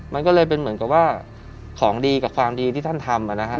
มันก็เลยเป็นเหมือนกับว่าของดีกับความดีที่ท่านทำนะครับ